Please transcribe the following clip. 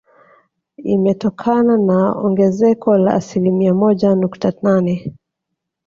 Imetokana na ongezeko la asilimia moja nukta nane